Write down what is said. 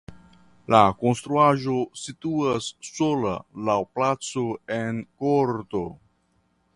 La konstruaĵo situas sola laŭ placo en korto.